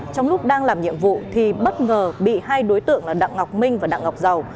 trong lúc đang làm nhiệm vụ thì bất ngờ bị hai đối tượng là đặng ngọc minh và đặng ngọc giàu